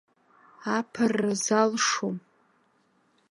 Аԥырра залшом!